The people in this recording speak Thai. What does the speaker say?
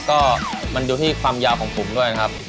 ก็มันดูที่ความยาวของผมด้วยนะครับ